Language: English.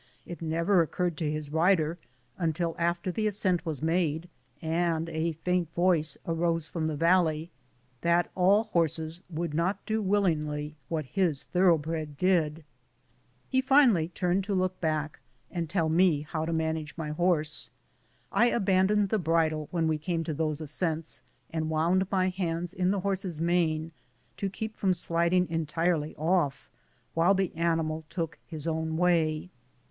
It never occurred to his rider, until after the ascent was made, and a faint voice arose from the valley, that all horses would not do willingly what his thorough bred did. lie finally turned to look back and tell me how to manage 76 BOOTS AND SADDLES. my horse. I abandoned the bridle when we came to those ascents, and wound my hands in the horse's mane to keep from sliding entirely off, while the animal took his own way.